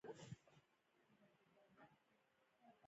ازادي راډیو د سیاست اړوند شکایتونه راپور کړي.